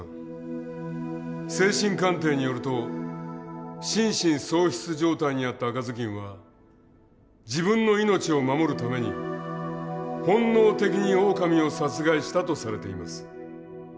精神鑑定によると心神喪失状態にあった赤ずきんは自分の命を守るために本能的にオオカミを殺害したとされています。